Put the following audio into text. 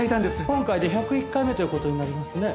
今回で１０１回目という事になりますね。